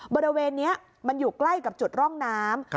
บริเวณนี้มันอยู่ใกล้กับจุดร่องน้ำ